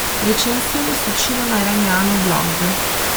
Recensione su "Cinema Iraniano" blog